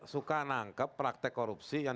suka nangkep praktek korupsi yang